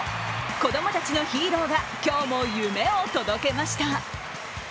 子供たちのヒーローが今日も夢を届けました。